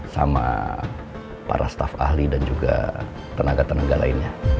sama para staf ahli dan juga tenaga tenaga lainnya